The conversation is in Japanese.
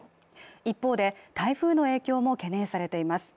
一方で台風の影響も懸念されています